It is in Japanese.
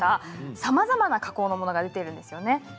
さまざまな加工のものが出ているんですね。